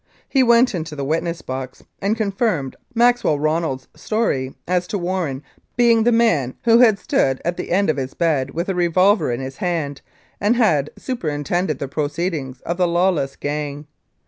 He went into the witness box and confirmed Maxwell Ronald's story as to Warren being the man who had stood at the end of his bed with a revolver in his hand and had superin tended the proceedings of the lawless gang.